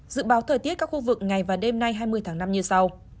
dự báo thời tiết các khu vực ngày và đêm nay hai mươi tháng năm như sau